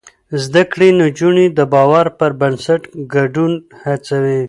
زده کړې نجونې د باور پر بنسټ ګډون هڅوي.